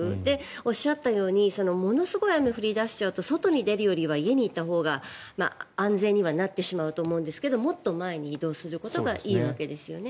おっしゃったようにものすごい雨が降り出しちゃうと外に出るよりは家にいたほうが安全にはなってしまうと思うんですけどもっと前に移動することがいいわけですよね。